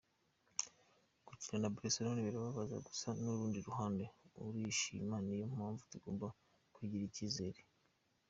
Gukina na Barcelona birababaza gusa ku rundi ruhande urishima niyo mpamvu tugomba kwigirira icyizere.